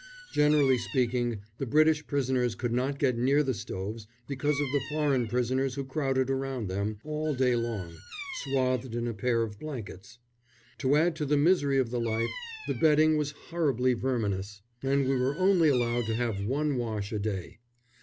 Generally speaking, the British prisoners could not get near the stoves because of the foreign prisoners who crowded around them, all day long, swathed in a pair of blankets. To add to the misery of the life, the bedding was horribly verminous, and we were only allowed to have one wash a day.